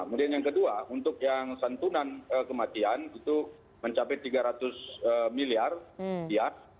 kemudian yang kedua untuk yang santunan kematian itu mencapai tiga ratus miliar rupiah